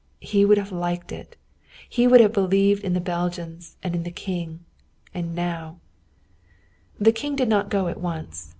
He would have liked it. He had believed in the Belgians and in the King. And now the King did not go at once.